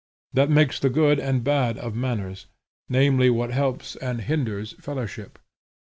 That makes the good and bad of manners, namely what helps or hinders fellowship.